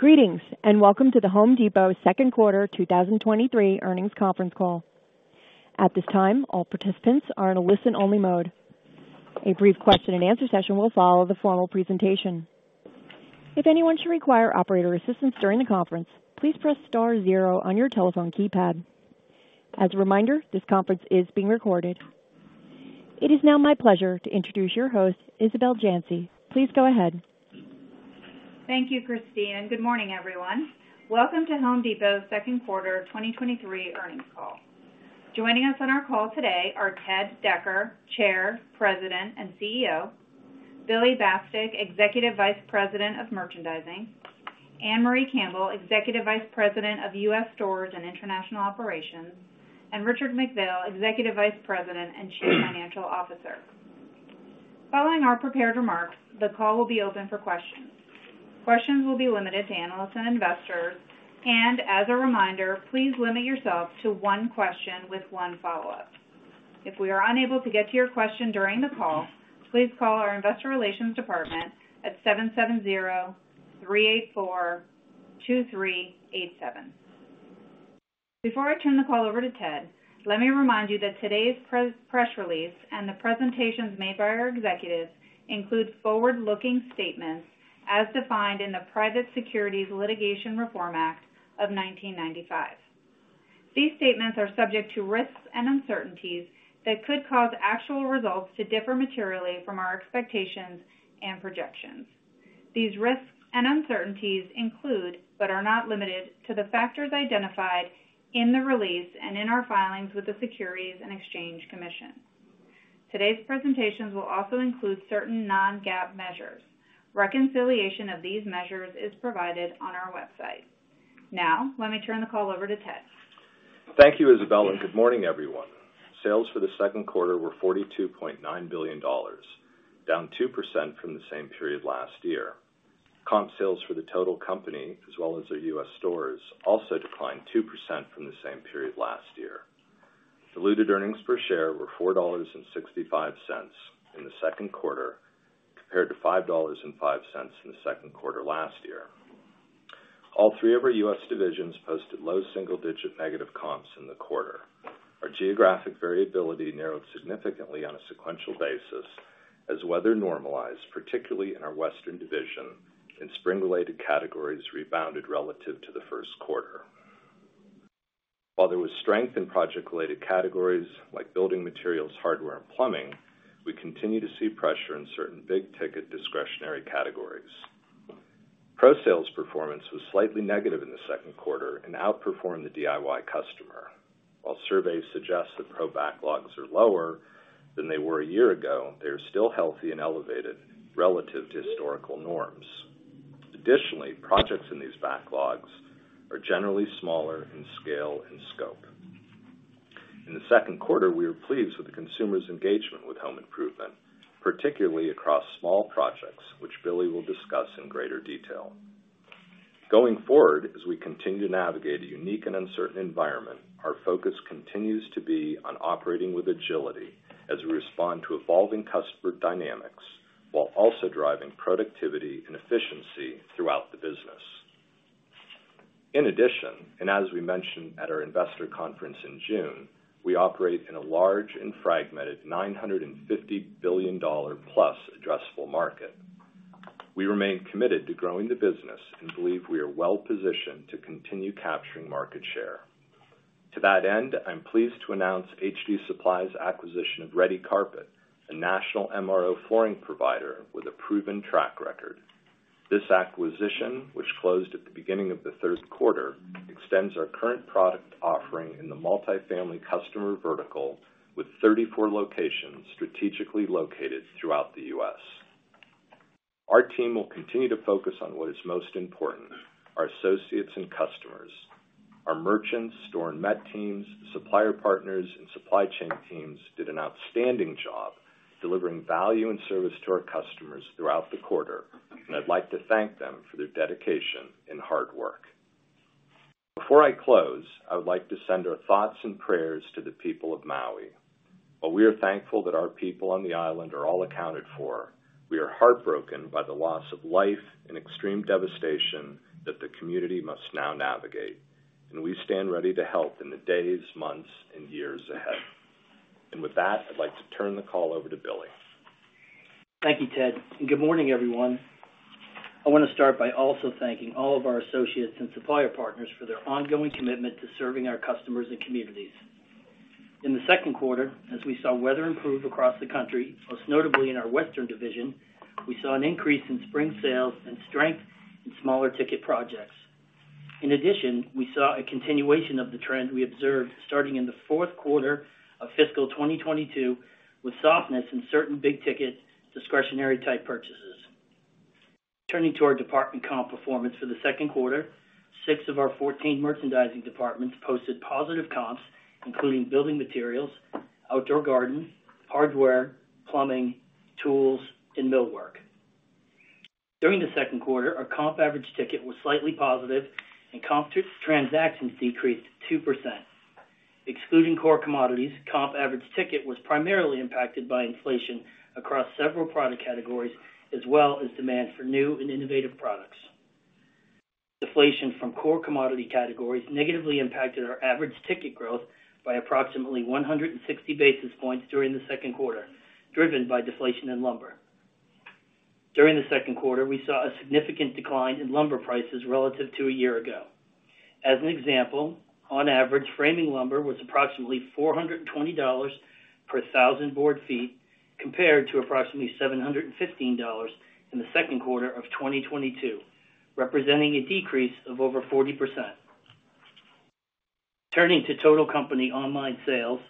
Greetings, and welcome to The Home Depot second quarter 2023 earnings conference call. At this time, all participants are in a listen-only mode. A brief question and answer session will follow the formal presentation. If anyone should require operator assistance during the conference, please press star zero on your telephone keypad. As a reminder, this conference is being recorded. It is now my pleasure to introduce your host, Isabel Janci. Please go ahead. Thank you, Christine, and Good Morning, everyone. Welcome to Home Depot's second quarter 2023 earnings call. Joining us on our call today are Ted Decker, Chair, President, and CEO, Billy Bastek, Executive Vice President of Merchandising, Ann-Marie Campbell, Executive Vice President of U.S. Stores and International Operations, and Richard McPhail, Executive Vice President and Chief Financial Officer. Following our prepared remarks, the call will be open for questions. Questions will be limited to analysts and investors, and as a reminder, please limit yourself to one question with one follow-up. If we are unable to get to your question during the call, please call our Investor Relations Department at 770-384-2387. Before I turn the call over to Ted, let me remind you that today's press release and the presentations made by our executives include forward-looking statements as defined in the Private Securities Litigation Reform Act of 1995. These statements are subject to risks and uncertainties that could cause actual results to differ materially from our expectations and projections. These risks and uncertainties include, but are not limited to the factors identified in the release and in our filings with the Securities and Exchange Commission. Today's presentations will also include certain non-GAAP measures. Reconciliation of these measures is provided on our website. Now, let me turn the call over to Ted. Thank you, Isabel. Good morning, everyone. Sales for the second quarter were $42.9 billion, down 2% from the same period last year. Comp sales for the total company, as well as the U.S. stores, also declined 2% from the same period last year. Diluted earnings per share were $4.65 in the second quarter, compared to $5.05 in the second quarter last year. All three of our U.S. divisions posted low single-digit negative comps in the quarter. Our geographic variability narrowed significantly on a sequential basis as weather normalized, particularly in our Western Division, and spring-related categories rebounded relative to the first quarter. While there was strength in project-related categories like building materials, hardware, and plumbing, we continue to see pressure in certain big-ticket discretionary categories. Pro sales performance was slightly negative in the second quarter and outperformed the DIY customer. While surveys suggest that Pro backlogs are lower than they were a year ago, they are still healthy and elevated relative to historical norms. Additionally, projects in these backlogs are generally smaller in scale and scope. In the second quarter, we were pleased with the consumer's engagement with home improvement, particularly across small projects, which Billy will discuss in greater detail. Going forward, as we continue to navigate a unique and uncertain environment, our focus continues to be on operating with agility as we respond to evolving customer dynamics, while also driving productivity and efficiency throughout the business. In addition, and as we mentioned at our investor conference in June, we operate in a large and fragmented $950 billion+ addressable market. We remain committed to growing the business and believe we are well-positioned to continue capturing market share. To that end, I'm pleased to announce HD Supply's acquisition of Redi Carpet, a national MRO flooring provider with a proven track record. This acquisition, which closed at the beginning of the third quarter, extends our current product offering in the multifamily customer vertical with 34 locations strategically located throughout the U.S. Our team will continue to focus on what is most important, our associates and customers. Our merchants, store and met teams, supplier partners, and supply chain teams did an outstanding job delivering value and service to our customers throughout the quarter. I'd like to thank them for their dedication and hard work. Before I close, I would like to send our thoughts and prayers to the people of Maui. While we are thankful that our people on the island are all accounted for, we are heartbroken by the loss of life and extreme devastation that the community must now navigate, and we stand ready to help in the days, months, and years ahead. With that, I'd like to turn the call over to Billy. Thank you, Ted. Good morning, everyone. I want to start by also thanking all of our associates and supplier partners for their ongoing commitment to serving our customers and communities. In the second quarter, as we saw weather improve across the country, most notably in our Western division, we saw an increase in spring sales and strength in smaller ticket projects. In addition, we saw a continuation of the trend we observed starting in the fourth quarter of fiscal 2022, with softness in certain big ticket, discretionary-type purchases. Turning to our department comp performance for the second quarter, six of our 14 merchandising departments posted positive comps, including building materials, outdoor garden, hardware, plumbing, tools, and millwork. During the second quarter, our comp average ticket was slightly positive and comp transactions decreased 2%. Excluding core commodities, comp average ticket was primarily impacted by inflation across several product categories, as well as demand for new and innovative products. Deflation from core commodity categories negatively impacted our average ticket growth by approximately 160 basis points during the second quarter, driven by deflation in lumber. During the second quarter, we saw a significant decline in lumber prices relative to a year ago. As an example, on average, framing lumber was approximately $420 per 1,000 board feet, compared to approximately $715 in the second quarter of 2022, representing a decrease of over 40%. Turning to total company online sales,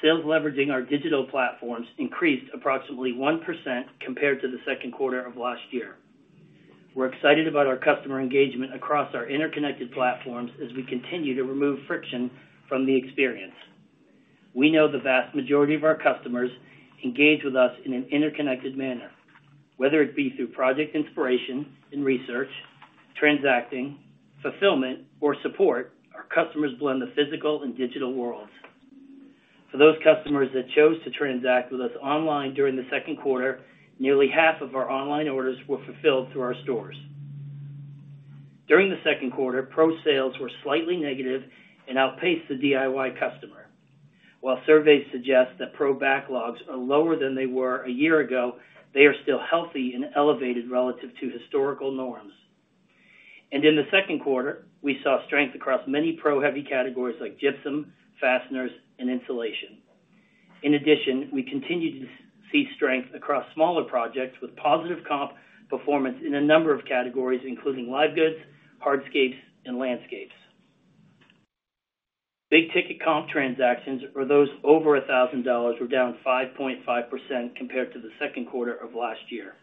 sales leveraging our digital platforms increased approximately 1% compared to the second quarter of last year. We're excited about our customer engagement across our interconnected platforms as we continue to remove friction from the experience. We know the vast majority of our customers engage with us in an interconnected manner, whether it be through project inspiration and research, transacting, fulfillment, or support, our customers blend the physical and digital worlds. For those customers that chose to transact with us online during the second quarter, nearly half of our online orders were fulfilled through our stores. During the second quarter, Pro sales were slightly negative and outpaced the DIY customer. While surveys suggest that Pro backlogs are lower than they were a year ago, they are still healthy and elevated relative to historical norms. In the second quarter, we saw strength across many Pro heavy categories like gypsum, fasteners, and insulation. In addition, we continued to see strength across smaller projects, with positive comp performance in a number of categories, including live goods, hardscapes, and landscapes. Big ticket comp transactions, or those over $1,000, were down 5.5% compared to the second quarter of last year.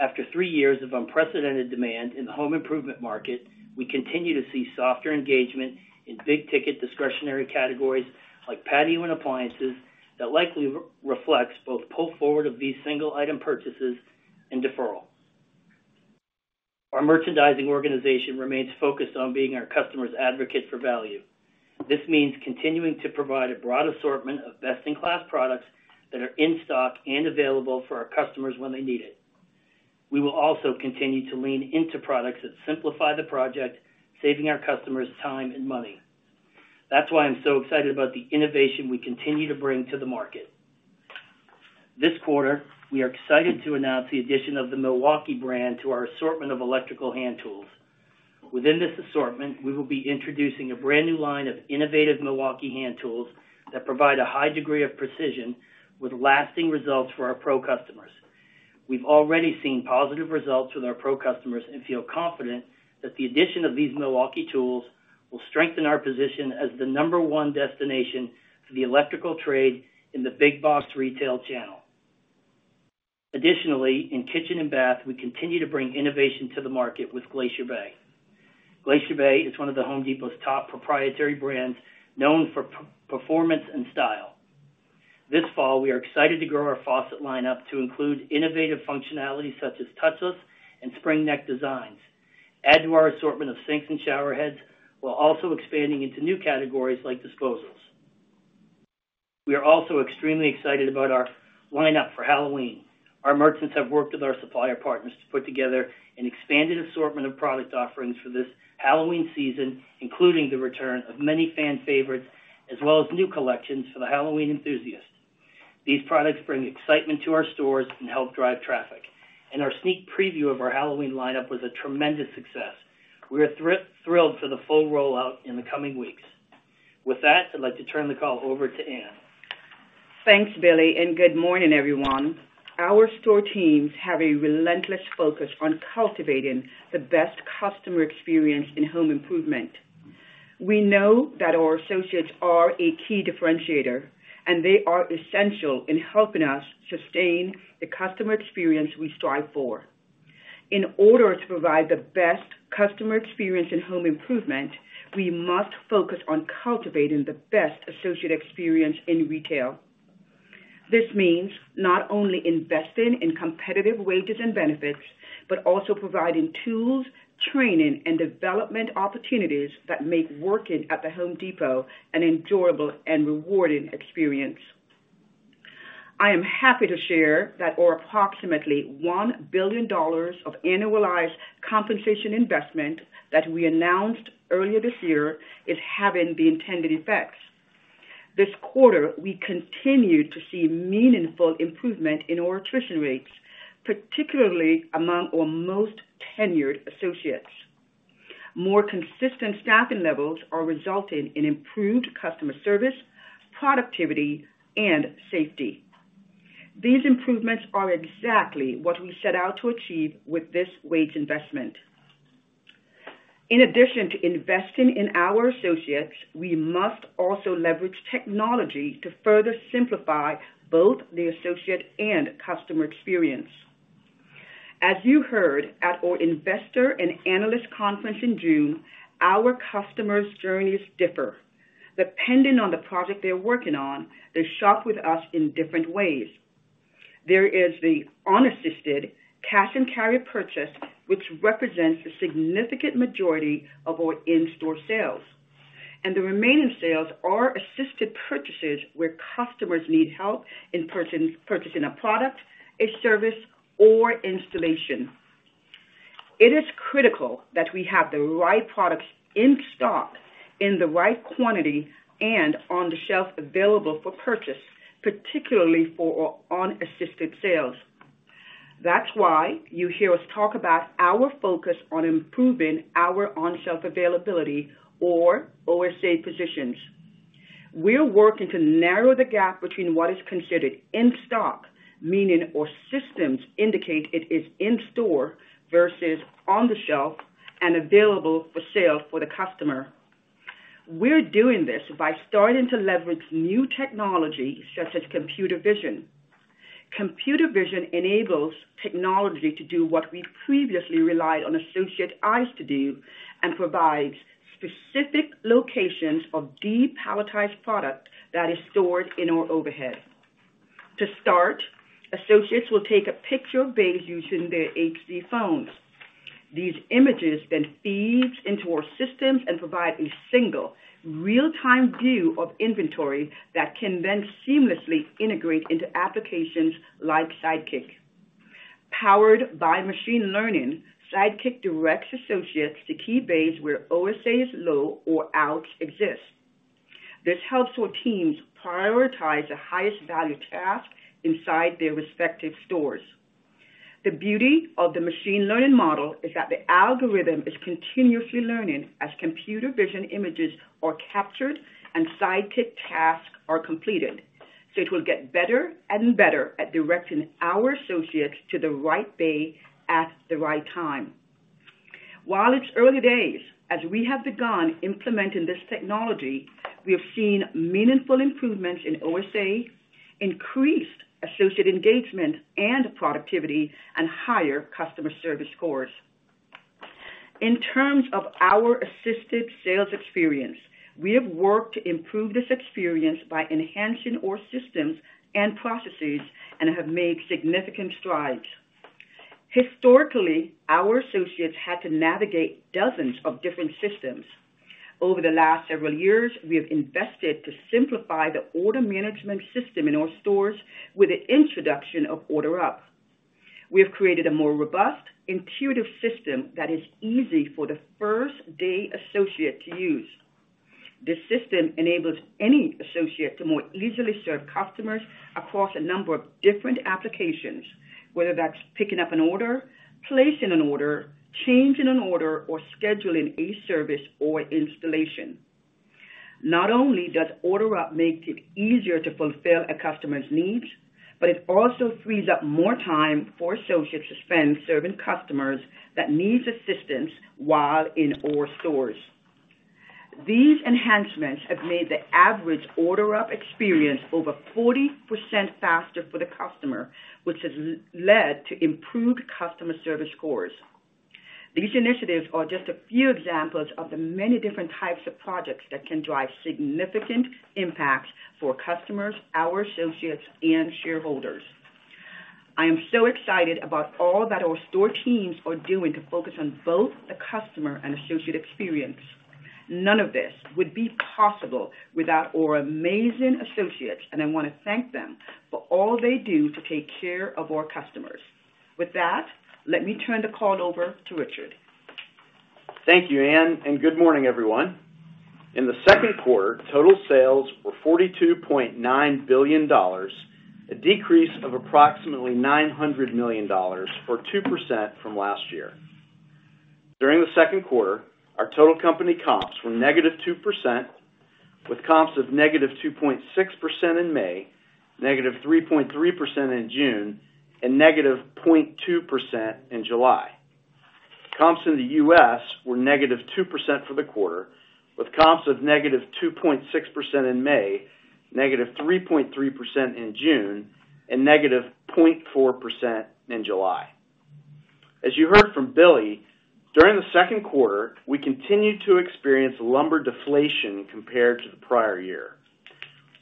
After three years of unprecedented demand in the home improvement market, we continue to see softer engagement in big ticket discretionary categories like patio and appliances, that likely re-reflects both pull forward of these single item purchases and deferral. Our merchandising organization remains focused on being our customer's advocate for value. This means continuing to provide a broad assortment of best-in-class products that are in stock and available for our customers when they need it. We will also continue to lean into products that simplify the project, saving our customers time and money. That's why I'm so excited about the innovation we continue to bring to the market. This quarter, we are excited to announce the addition of the Milwaukee brand to our assortment of electrical hand tools. Within this assortment, we will be introducing a brand new line of innovative Milwaukee hand tools that provide a high degree of precision with lasting results for our Pro customers. Additionally, in Kitchen and Bath, we continue to bring innovation to the market with Glacier Bay. Glacier Bay is one of The Home Depot's top proprietary brands, known for performance and style. This fall, we are excited to grow our faucet lineup to include innovative functionalities such as touchless and spring neck designs, add to our assortment of sinks and shower heads, while also expanding into new categories like disposals. We are also extremely excited about our lineup for Halloween. Our merchants have worked with our supplier partners to put together an expanded assortment of product offerings for this Halloween season, including the return of many fan favorites, as well as new collections for the Halloween enthusiasts. These products bring excitement to our stores and help drive traffic, and our sneak preview of our Halloween lineup was a tremendous success. We are thrilled for the full rollout in the coming weeks. With that, I'd like to turn the call over to Ann. Thanks, Billy, and good morning, everyone. Our store teams have a relentless focus on cultivating the best customer experience in home improvement. They are essential in helping us sustain the customer experience we strive for. In order to provide the best customer experience in home improvement, we must focus on cultivating the best associate experience in retail. This means not only investing in competitive wages and benefits, but also providing tools, training, and development opportunities that make working at The Home Depot an enjoyable and rewarding experience. I am happy to share that our approximately $1 billion of annualized compensation investment that we announced earlier this year is having the intended effects. This quarter, we continued to see meaningful improvement in our attrition rates, particularly among our most tenured associates. More consistent staffing levels are resulting in improved customer service, productivity, and safety. These improvements are exactly what we set out to achieve with this wage investment. In addition to investing in our associates, we must also leverage technology to further simplify both the associate and customer experience. As you heard at our Investor and Analyst Conference in June, our customers' journeys differ. Depending on the project they're working on, they shop with us in different ways. There is the unassisted cash and carry purchase, which represents the significant majority of our in-store sales. The remaining sales are assisted purchases, where customers need help in purchasing a product, a service, or installation. It is critical that we have the right products in stock, in the right quantity, and on the shelf available for purchase, particularly for our unassisted sales. That's why you hear us talk about our focus on improving our On-Shelf Availability or OSA positions. We're working to narrow the gap between what is considered in stock, meaning our systems indicate it is in store, versus on the shelf and available for sale for the customer. We're doing this by starting to leverage new technology, such as computer vision. Computer vision enables technology to do what we previously relied on associate eyes to do and provides specific locations of depalletized product that is stored in our overhead. To start, associates will take a picture of bays using their HD phones. These images then feeds into our systems and provide a single real-time view of inventory that can then seamlessly integrate into applications like Sidekick. Powered by machine learning, Sidekick directs associates to key bays where OSA is low or out exists. This helps our teams prioritize the highest value task inside their respective stores. The beauty of the machine learning model is that the algorithm is continuously learning as computer vision images are captured and Sidekick tasks are completed, so it will get better and better at directing our associates to the right bay at the right time. While it's early days, as we have begun implementing this technology, we have seen meaningful improvements in OSA, increased associate engagement and productivity, and higher customer service scores. In terms of our assisted sales experience, we have worked to improve this experience by enhancing our systems and processes and have made significant strides. Historically, our associates had to navigate dozens of different systems. Over the last several years, we have invested to simplify the order management system in our stores with the introduction of Order Up. We have created a more robust, intuitive system that is easy for the first-day associate to use. This system enables any associate to more easily serve customers across a number of different applications, whether that's picking up an order, placing an order, changing an order, or scheduling a service or installation. Not only does Order Up makes it easier to fulfill a customer's needs, but it also frees up more time for associates to spend serving customers that needs assistance while in our stores. These enhancements have made the average Order Up experience over 40% faster for the customer, which has led to improved customer service scores. These initiatives are just a few examples of the many different types of projects that can drive significant impact for customers, our associates, and shareholders. I am so excited about all that our store teams are doing to focus on both the customer and associate experience. None of this would be possible without our amazing associates, and I want to thank them for all they do to take care of our customers. With that, let me turn the call over to Richard. Thank you, Anne, good morning, everyone. In the second quarter, total sales were $42.9 billion, a decrease of approximately $900 million, or 2% from last year. During the second quarter, our total company comps were negative 2%, with comps of negative 2.6% in May, negative 3.3% in June, and negative 0.2% in July. Comps in the U.S. were negative 2% for the quarter, with comps of negative 2.6% in May, negative 3.3% in June, and negative 0.4% in July. As you heard from Billy, during the second quarter, we continued to experience lumber deflation compared to the prior year.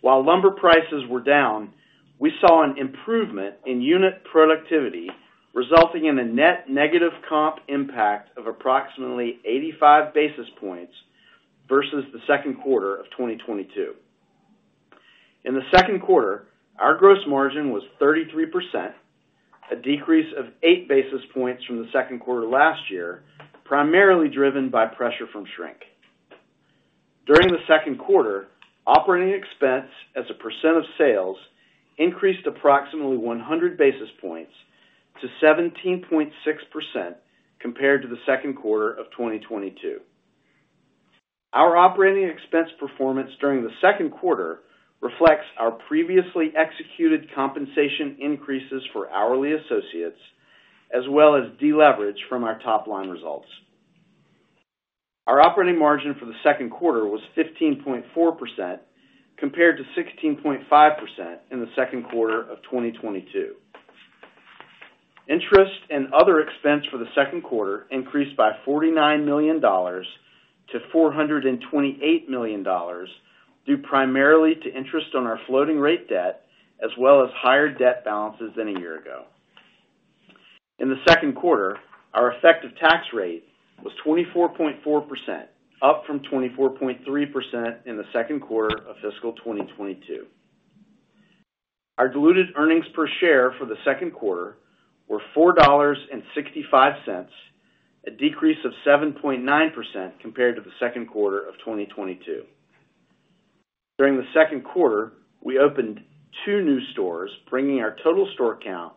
While lumber prices were down, we saw an improvement in unit productivity, resulting in a net negative comp impact of approximately 85 basis points versus the second quarter of 2022. In the second quarter, our gross margin was 33%, a decrease of eight basis points from the second quarter last year, primarily driven by pressure from shrink. During the second quarter, operating expense as a percent of sales increased approximately 100 basis points to 17.6% compared to the second quarter of 2022. Our operating expense performance during the second quarter reflects our previously executed compensation increases for hourly associates, as well as deleverage from our top line results. Our operating margin for the second quarter was 15.4%, compared to 16.5% in the second quarter of 2022. Interest and other expense for the second quarter increased by $49 million to $428 million, due primarily to interest on our floating rate debt, as well as higher debt balances than a year ago. In the second quarter, our effective tax rate was 24.4%, up from 24.3% in the second quarter of fiscal 2022. Our diluted earnings per share for the second quarter were $4.65, a decrease of 7.9% compared to the second quarter of 2022. During the second quarter, we opened 2 new stores, bringing our total store count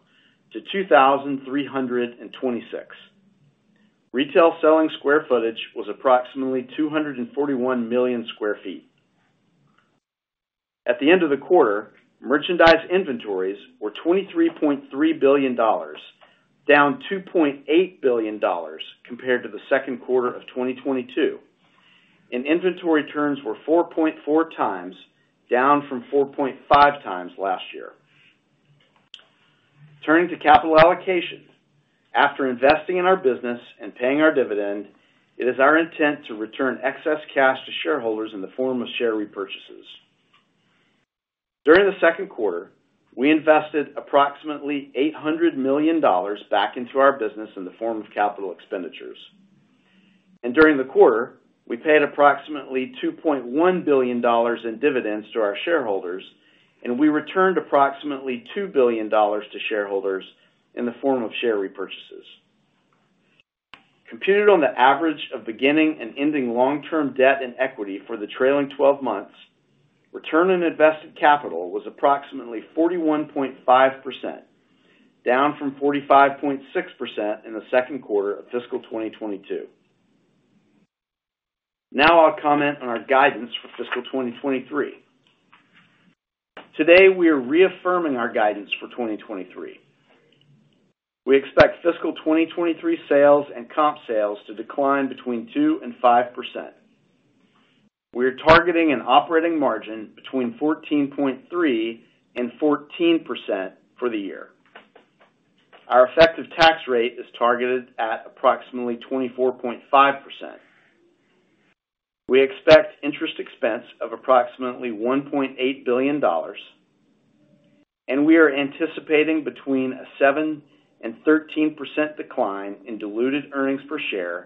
to 2,326. Retail selling square footage was approximately 241 million sq ft. At the end of the quarter, merchandise inventories were $23.3 billion, down $2.8 billion compared to the second quarter of 2022, and inventory turns were 4.4 times, down from 4.5 times last year. Turning to capital allocation. After investing in our business and paying our dividend, it is our intent to return excess cash to shareholders in the form of share repurchases. During the second quarter, we invested approximately $800 million back into our business in the form of capital expenditures, and during the quarter, we paid approximately $2.1 billion in dividends to our shareholders, and we returned approximately $2 billion to shareholders in the form of share repurchases. Computed on the average of beginning and ending long-term debt and equity for the trailing 12 months, ROIC was approximately 41.5%, down from 45.6% in the second quarter of fiscal 2022. Now I'll comment on our guidance for fiscal 2023. Today, we are reaffirming our guidance for 2023. We expect fiscal 2023 sales and comp sales to decline between 2% and 5%. We are targeting an operating margin between 14.3% and 14% for the year. Our effective tax rate is targeted at approximately 24.5%. We expect interest expense of approximately $1.8 billion, and we are anticipating between a 7% and 13% decline in diluted EPS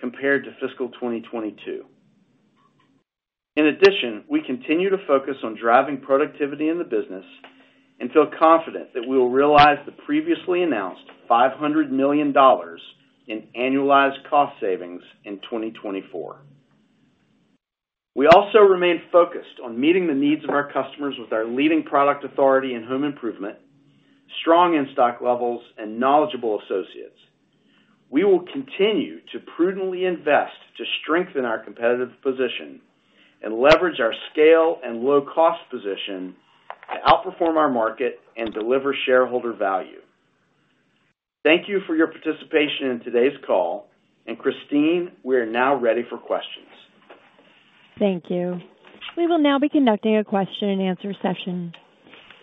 compared to fiscal 2022. In addition, we continue to focus on driving productivity in the business and feel confident that we will realize the previously announced $500 million in annualized cost savings in 2024. We also remain focused on meeting the needs of our customers with our leading product authority in home improvement, strong in-stock levels, and knowledgeable associates. We will continue to prudently invest to strengthen our competitive position and leverage our scale and low-cost position to outperform our market and deliver shareholder value. Thank you for your participation in today's call, Christine, we are now ready for questions. Thank you. We will now be conducting a question-and-answer session.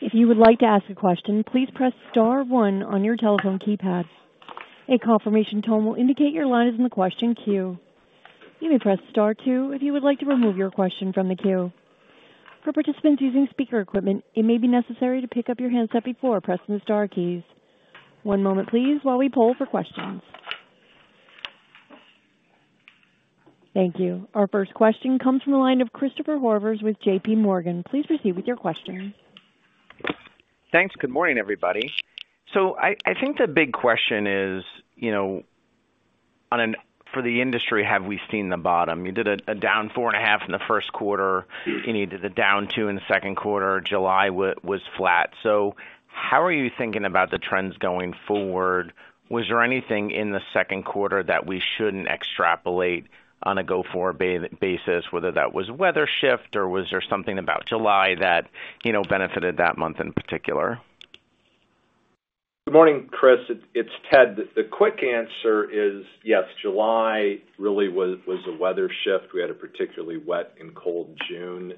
If you would like to ask a question, please press star one on your telephone keypad. A confirmation tone will indicate your line is in the question queue. You may press star two if you would like to remove your question from the queue. For participants using speaker equipment, it may be necessary to pick up your handset before pressing the star keys. One moment, please, while we poll for questions. Thank you. Our first question comes from the line of Christopher Horvers with JPMorgan. Please proceed with your question. Thanks. Good morning, everybody. I think the big question is, you know, for the industry, have we seen the bottom? You did a down 4.5 in the first quarter, and you did a down two in the second quarter. July was flat. How are you thinking about the trends going forward? Was there anything in the second quarter that we shouldn't extrapolate on a go-forward basis, whether that was weather shift, or was there something about July that, you know, benefited that month in particular? Good morning, Chris. It's Ted. The quick answer is, yes, July really was a weather shift. We had a particularly wet and cold June,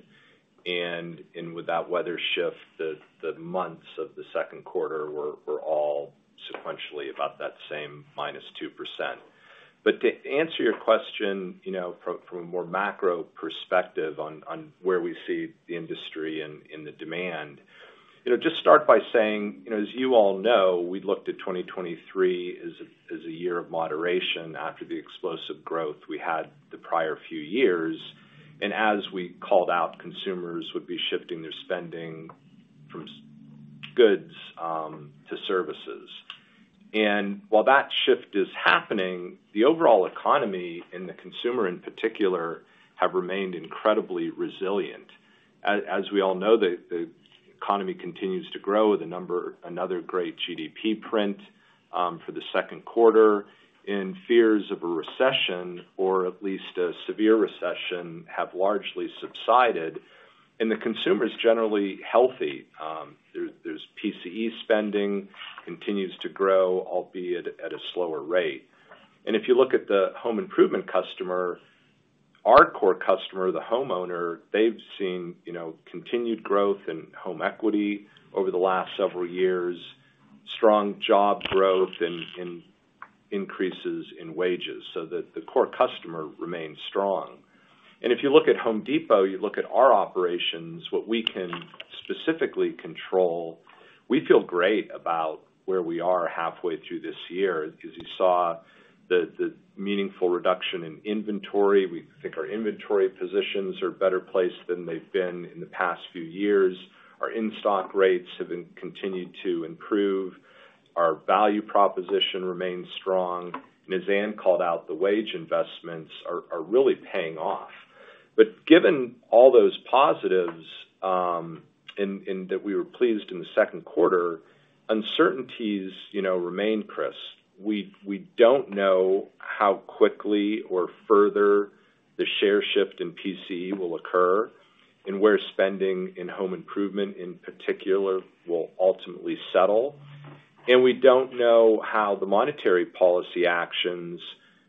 with that weather shift, the months of the second quarter were all sequentially about that same -2%. To answer your question, you know, from a more macro perspective on where we see the industry and the demand, you know, just start by saying, you know, as you all know, we looked at 2023 as a year of moderation after the explosive growth we had the prior few years, as we called out, consumers would be shifting their spending from goods to services. While that shift is happening, the overall economy and the consumer, in particular, have remained incredibly resilient. As we all know, the economy continues to grow with another great GDP print for the second quarter. Fears of a recession, or at least a severe recession, have largely subsided. The consumer is generally healthy. PCE spending continues to grow, albeit at a slower rate. If you look at the home improvement customer. Our core customer, the homeowner, they've seen, you know, continued growth in home equity over the last several years, strong job growth, and, and increases in wages, so that the core customer remains strong. If you look at Home Depot, you look at our operations, what we can specifically control, we feel great about where we are halfway through this year because you saw the, the meaningful reduction in inventory. We think our inventory positions are better placed than they've been in the past few years. Our in-stock rates have been continued to improve. Our value proposition remains strong. As Anne called out, the wage investments are, are really paying off. Given all those positives, and that we were pleased in the second quarter, uncertainties, you know, remain, Chris. We don't know how quickly or further the share shift in PCE will occur, where spending in home improvement, in particular, will ultimately settle. We don't know how the monetary policy actions,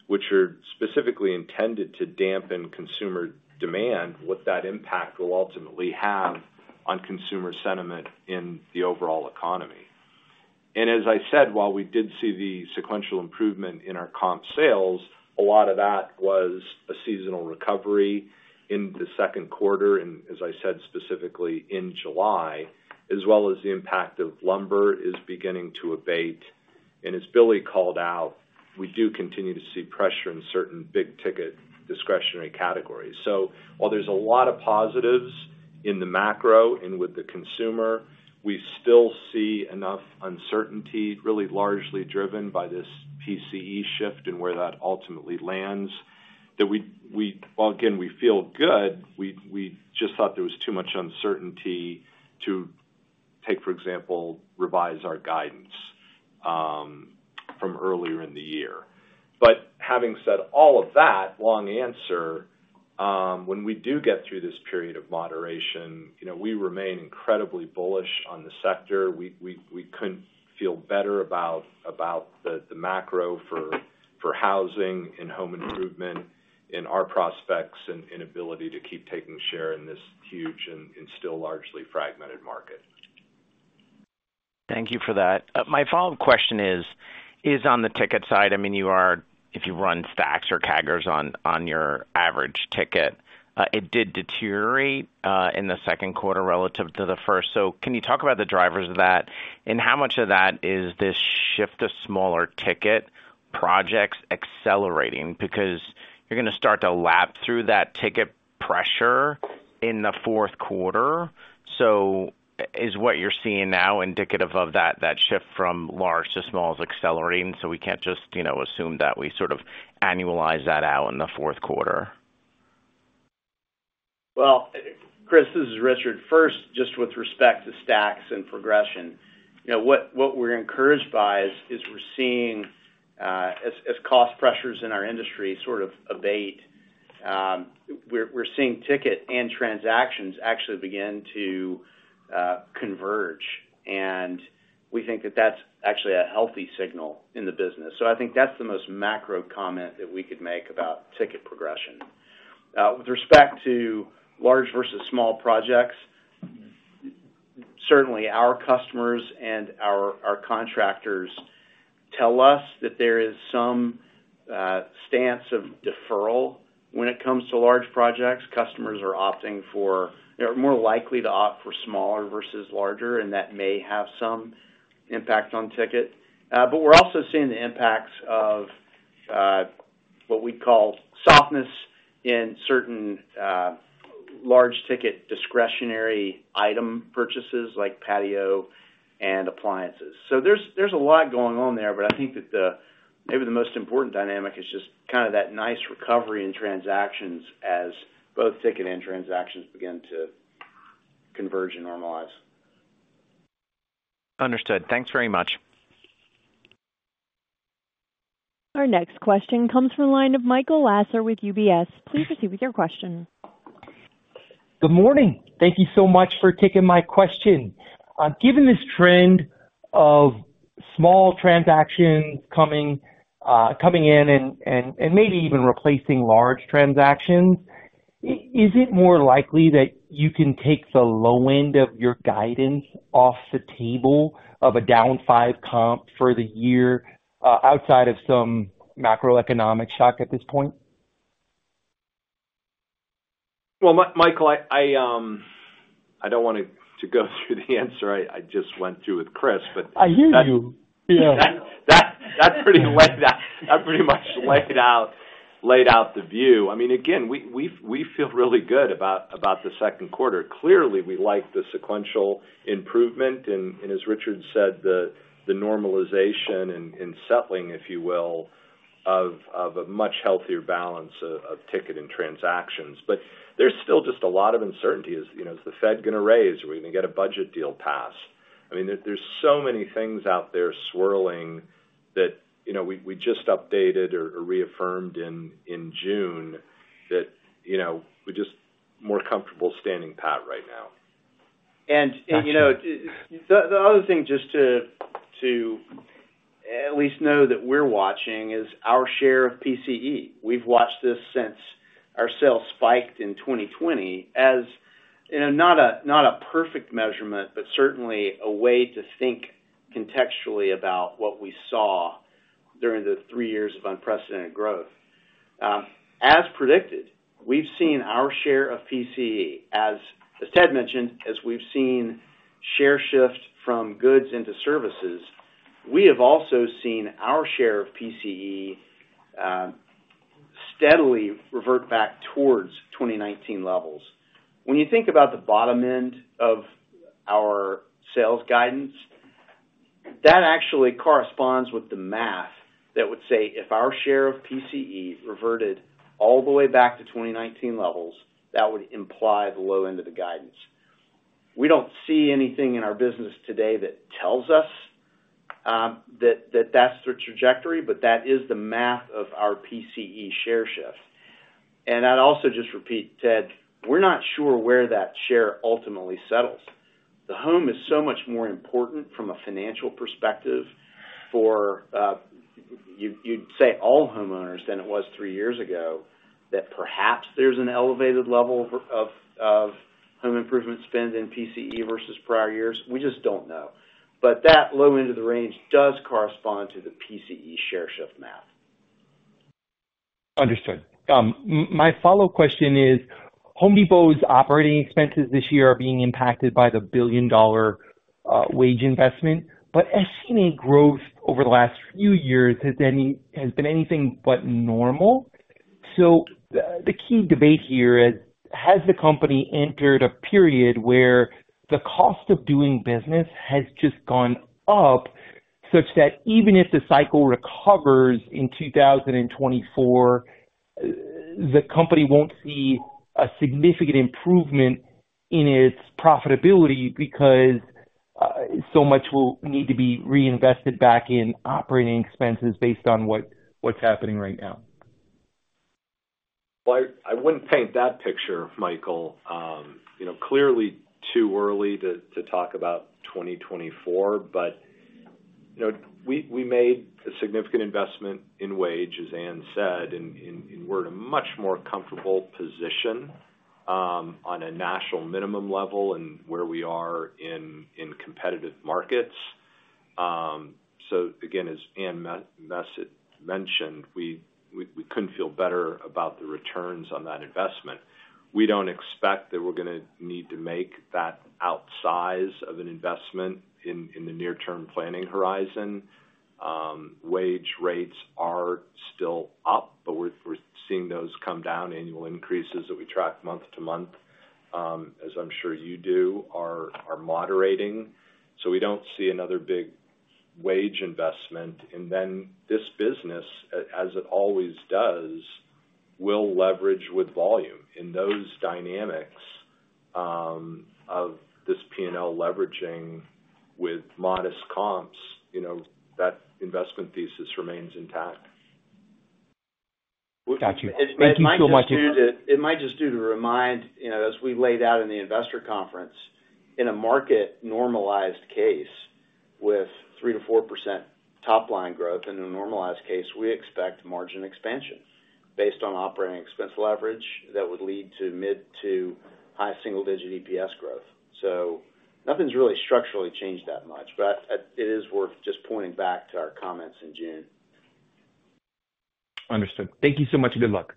which are specifically intended to dampen consumer demand, what that impact will ultimately have on consumer sentiment in the overall economy. As I said, while we did see the sequential improvement in our comp sales, a lot of that was a seasonal recovery in the second quarter, as I said, specifically in July, as well as the impact of lumber is beginning to abate. As Billy called out, we do continue to see pressure in certain big-ticket discretionary categories. While there's a lot of positives in the macro and with the consumer, we still see enough uncertainty, really largely driven by this PCE shift and where that ultimately lands, that we, while, again, we feel good, we just thought there was too much uncertainty to take, for example, revise our guidance from earlier in the year. Having said all of that long answer, when we do get through this period of moderation, you know, we remain incredibly bullish on the sector. We, we, we couldn't feel better about, about the, the macro for, for housing and home improvement in our prospects and, and ability to keep taking share in this huge and, and still largely fragmented market. Thank you for that. My follow-up question is, is on the ticket side, I mean, you are, if you run stacks or CAGRs on, on your average ticket, it did deteriorate in the second quarter relative to the first. Can you talk about the drivers of that, and how much of that is this shift to smaller ticket projects accelerating? Because you're gonna start to lap through that ticket pressure in the fourth quarter. Is what.you're seeing now indicative of that, that shift from large to small is accelerating, so we can't just, you know, assume that we sort of annualize that out in the fourth quarter? Well, Chris, this is Richard. First, just with respect to stacks and progression, you know, what, what we're encouraged by is, is we're seeing, as, as cost pressures in our industry sort of abate, we're, we're seeing ticket and transactions actually begin to converge, and we think that that's actually a healthy signal in the business. I think that's the most macro comment that we could make about ticket progression. With respect to large versus small projects, certainly our customers and our, our contractors tell us that there is some stance of deferral when it comes to large projects. They're more likely to opt for smaller versus larger, and that may have some impact on ticket. But we're also seeing the impacts of what we call softness in certain large-ticket, discretionary item purchases like patio and appliances. There's, there's a lot going on there, but I think that maybe the most important dynamic is just kind of that nice recovery in transactions as both ticket and transactions begin to converge and normalize. Understood. Thanks very much. Our next question comes from the line of Michael Lasser with UBS. Please proceed with your question. Good morning. Thank you so much for taking my question. Given this trend of small transactions coming, coming in and, and, and maybe even replacing large transactions, is it more likely that you can take the low end of your guidance off the table of a down 5 comp for the year, outside of some macroeconomic shock at this point? Well, Michael, I don't want to go through the answer I just went through with Chris, but. I hear you. Yeah. That pretty much, that pretty much laid out, laid out the view. I mean, again, we, we, we feel really good about, about the second quarter. Clearly, we like the sequential improvement and, and as Richard said, the, the normalization and, and settling, if you will, of, of a much healthier balance of, of ticket and transactions. There's still just a lot of uncertainty. You know, is the Fed gonna raise? Are we gonna get a budget deal passed? I mean, there's so many things out there swirling that, you know, we, we just updated or, or reaffirmed in, in June that, you know, we're just more comfortable standing pat right now. You know, the other thing just to at least know that we're watching is our share of PCE. We've watched this since our sales spiked in 2020, as, in a not a, not a perfect measurement, but certainly a way to think contextually about what we saw during the 3 years of unprecedented growth. As predicted, we've seen our share of PCE, as, as Ted mentioned, as we've seen share shift from goods into services, we have also seen our share of PCE steadily revert back towards 2019 levels. When you think about the bottom end of our sales guidance, that actually corresponds with the math that would say, if our share of PCE reverted all the way back to 2019 levels, that would imply the low end of the guidance. We don't see anything in our business today that tells us, that, that that's the trajectory, but that is the math of our PCE share shift. I'd also just repeat, Ted, we're not sure where that share ultimately settles. The home is so much more important from a financial perspective for, you, you'd say all homeowners than it was three years ago, that perhaps there's an elevated level of, of, of home improvement spend in PCE versus prior years. We just don't know. That low end of the range does correspond to the PCE share shift math. Understood. My follow-up question is, Home Depot's operating expenses this year are being impacted by the billion-dollar wage investment. But has any growth over the last few years has been anything but normal. The key debate here is, has the company entered a period where the cost of doing business has just gone up, such that even if the cycle recovers in 2024, the company won't see a significant improvement in its profitability because so much will need to be reinvested back in operating expenses based on what, what's happening right now? Well, I, I wouldn't paint that picture, Michael. You know, clearly too early to, to talk about 2024, but, you know, we, we made a significant investment in wage, as Ann said, and, and, and we're in a much more comfortable position on a national minimum level and where we are in, in competitive markets. So again, as Ann mentioned, we, we, we couldn't feel better about the returns on that investment. We don't expect that we're gonna need to make that outsize of an investment in, in the near term planning horizon. Wage rates are still up, but we're, we're seeing those come down. Annual increases that we track month to month, as I'm sure you do, are, are moderating, so we don't see another big wage investment. Then this business, as it always does, will leverage with volume. In those dynamics, of this P&L leveraging with modest comps, you know, that investment thesis remains intact. Got you. Thank you so much- It might just do to remind, you know, as we laid out in the investor conference, in a market normalized case, with 3%-4% top-line growth in a normalized case, we expect margin expansion based on operating expense leverage that would lead to mid to high single-digit EPS growth. Nothing's really structurally changed that much. It is worth just pointing back to our comments in June. Understood. Thank you so much, and good luck.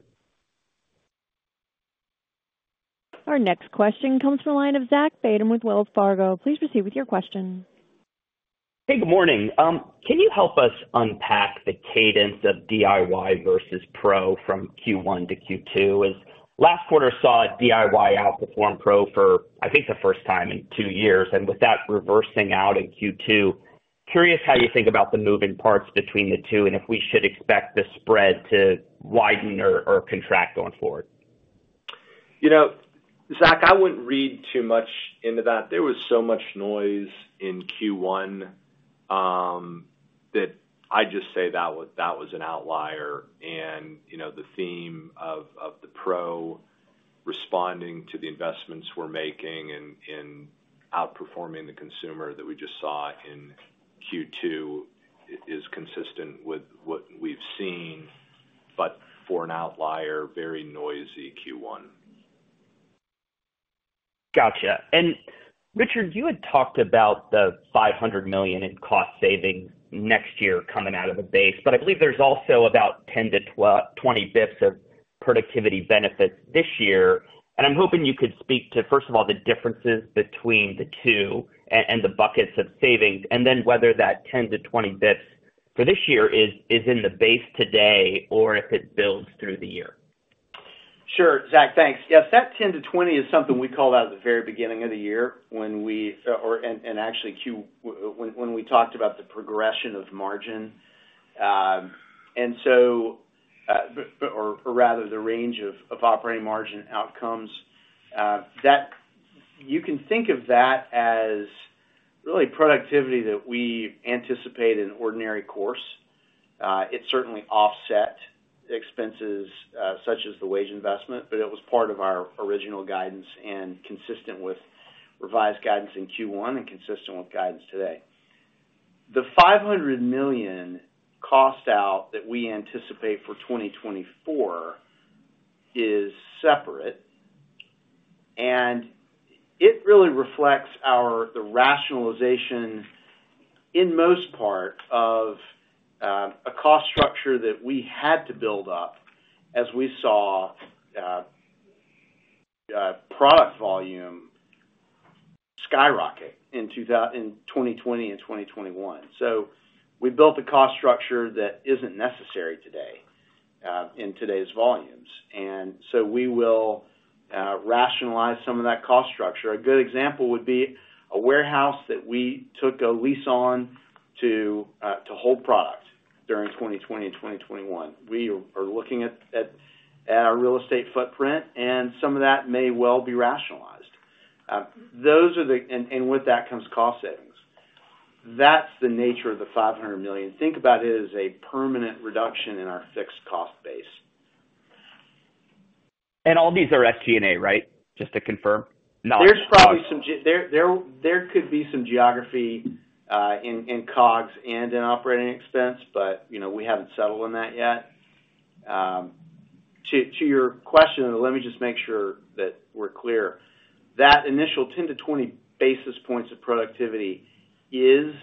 Our next question comes from the line of Zach Fadem with Wells Fargo. Please proceed with your question. Hey, good morning. Can you help us unpack the cadence of DIY versus Pro from Q1 to Q2? As last quarter saw DIY outperform Pro for, I think, the first time in two years, and with that reversing out in Q2, curious how you think about the moving parts between the two, and if we should expect the spread to widen or, or contract going forward? You know, Zach, I wouldn't read too much into that. There was so much noise in Q1, that I'd just say that was, that was an outlier. You know, the theme of, of the Pro responding to the investments we're making and, and outperforming the consumer that we just saw in Q2, is consistent with what we've seen, but for an outlier, very noisy Q1. Gotcha. Richard, you had talked about the $500 million in cost savings next year coming out of the base, but I believe there's also about 10-20 basis points of productivity benefits this year. I'm hoping you could speak to, first of all, the differences between the two and the buckets of savings, and then whether that 10-20 basis points for this year is, is in the base today or if it builds through the year. Sure, Zach, thanks. Yes, that 10-20 is something we called out at the very beginning of the year when we, or, and, and actually talked about the progression of margin. But or rather, the range of operating margin outcomes, that, you can think of that as really productivity that we anticipate in ordinary course. It certainly offset expenses, such as the wage investment, but it was part of our original guidance and consistent with revised guidance in Q1 and consistent with guidance today. The $500 million cost out that we anticipate for 2024 is separate, and it really reflects our-- the rationalization, in most part, of a cost structure that we had to build up as we saw product volume skyrocket in 2020 and 2021. We built a cost structure that isn't necessary today, in today's volumes, and so we will rationalize some of that cost structure. A good example would be a warehouse that we took a lease on to hold product during 2020 and 2021. We are looking at our real estate footprint, and some of that may well be rationalized. Those are the. With that comes cost savings. That's the nature of the $500 million. Think about it as a permanent reduction in our fixed cost base. All these are SG&A, right? Just to confirm? There's probably some there, there, there could be some geography, in, in COGS and in operating expense. You know, we haven't settled on that yet. To your question, let me just make sure that we're clear. That initial 10 to 20 basis points of productivity is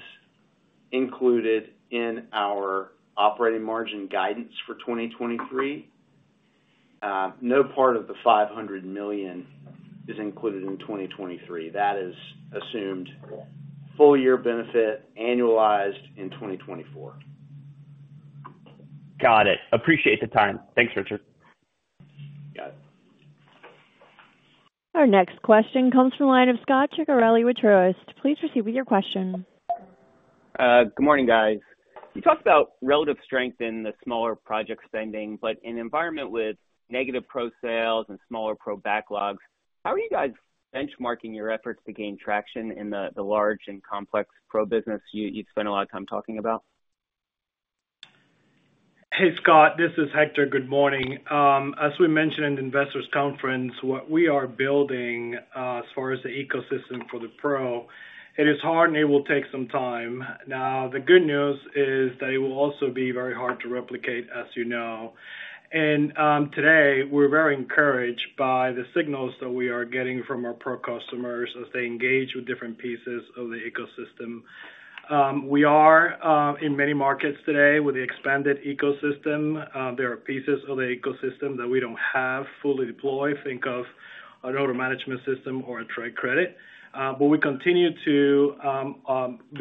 included in our operating margin guidance for 2023. No part of the $500 million is included in 2023. That is assumed full year benefit, annualized in 2024. Got it. Appreciate the time. Thanks, Richard. Got it. Our next question comes from the line of Scot Ciccarelli with Truist. Please proceed with your question. Good morning, guys. You talked about relative strength in the smaller project spending, but in an environment with negative Pro sales and smaller Pro backlogs, how are you guys benchmarking your efforts to gain traction in the, the large and complex Pro business you, you've spent a lot of time talking about? Hey, Scot, this is Hector. Good morning. As we mentioned in the investors conference, what we are building, as far as the ecosystem for the pro, it is hard, and it will take some time. Now, the good news is that it will also be very hard to replicate, as you know. Today, we're very encouraged by the signals that we are getting from our pro customers as they engage with different pieces of the ecosystem. We are in many markets today with the expanded ecosystem. There are pieces of the ecosystem that we don't have fully deployed. Think of an order management system or a trade credit. We continue to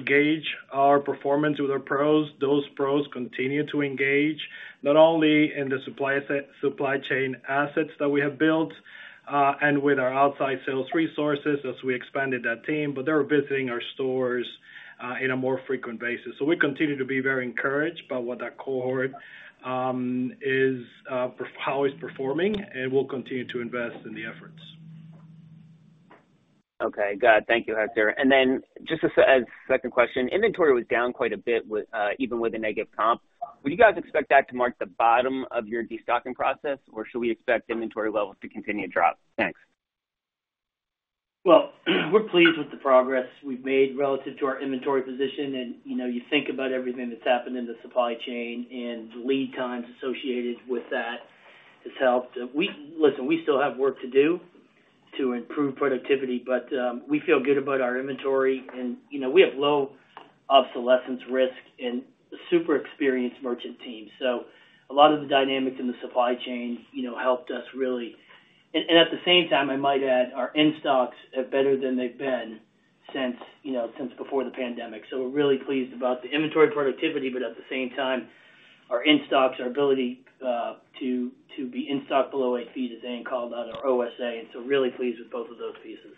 gauge our performance with our pros. Those Pro continue to engage, not only in the supply chain assets that we have built, and with our outside sales resources as we expanded that team, but they're visiting our stores in a more frequent basis. We continue to be very encouraged by what that cohort is how it's performing, and we'll continue to invest in the efforts. Okay, got it. Thank you, Hector. Then just a second question, Inventory was down quite a bit with even with a negative comp. Would you guys expect that to mark the bottom of your destocking process, or should we expect inventory levels to continue to drop? Thanks. Well, we're pleased with the progress we've made relative to our inventory position, and, you know, you think about everything that's happened in the supply chain and the lead times associated with that, it's helped. We. Listen, we still have work to do to improve productivity, but we feel good about our inventory, and, you know, we have low obsolescence risk and super experienced merchant teams. A lot of the dynamics in the supply chain, you know, helped us really. At the same time, I might add, our in-stocks are better than they've been since, you know, since before the pandemic. We're really pleased about the inventory productivity, but at the same time, our in-stocks, our ability to be in stock below eight feet, as Dan called out, our OSA. Really pleased with both of those pieces.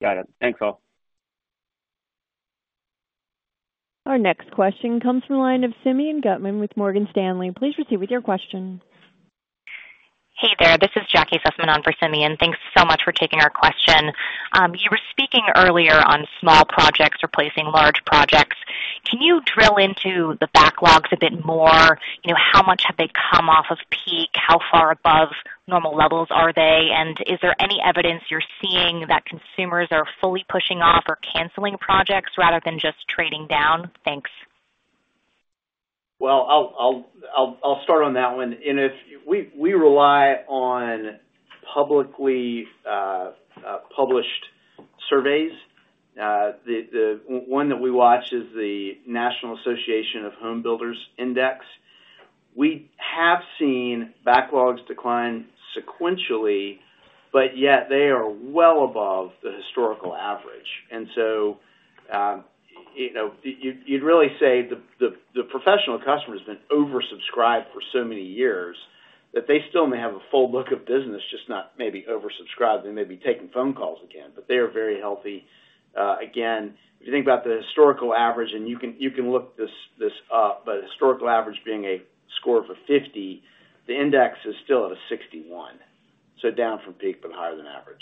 Got it. Thanks, all. Our next question comes from the line of Simeon Gutman with Morgan Stanley. Please proceed with your question. Hey there, this is Jackie Sussman on for Simeon. Thanks so much for taking our question. You were speaking earlier on small projects replacing large projects. Can you drill into the backlogs a bit more? You know, how much have they come off of peak? How far above normal levels are they? Is there any evidence you're seeing that consumers are fully pushing off or canceling projects rather than just trading down? Thanks. Well, I'll start on that one. We rely on publicly published surveys. The one that we watch is the National Association of Home Builders Index. We have seen backlogs decline sequentially, but yet they are well above the historical average. You know, you'd really say the professional customer has been oversubscribed for so many years that they still may have a full book of business, just not maybe oversubscribed. They may be taking phone calls again, but they are very healthy. Again, if you think about the historical average, and you can look this up, but historical average being a score of a 50, the index is still at a 61, so down from peak, but higher than average.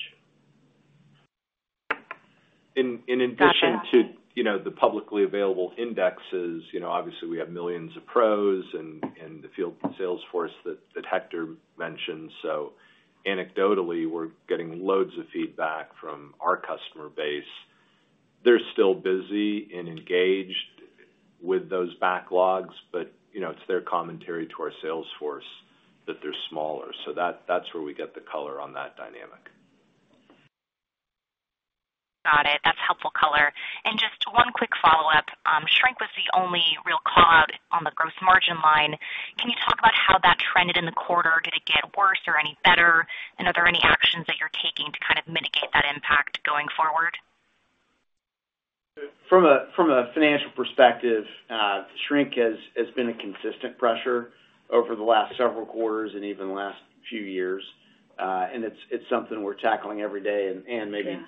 In addition to, you know, the publicly available indexes, you know, obviously, we have millions of pros and, and the field sales force that Hector mentioned. Anecdotally, we're getting loads of feedback from our customer base. They're still busy and engaged with those backlogs, you know, it's their commentary to our sales force that they're smaller. That's where we get the color on that dynamic. Got it. That's helpful color. Just one quick follow-up. Shrink was the only real cog on the gross margin line. Can you talk about how that trended in the quarter? Did it get worse or any better? Are there any actions that you're taking to kind of mitigate that impact going forward? From a financial perspective, shrink has, has been a consistent pressure over the last several quarters and even the last few years. It's, it's something we're tackling every day. Anne, maybe-